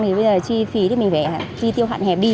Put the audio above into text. thì bây giờ chi phí thì mình phải chi tiêu hạn hẹp đi